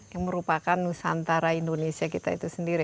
yang merupakan nusantara indonesia kita itu sendiri